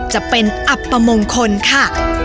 จะเป็นอับประมงคลค่ะ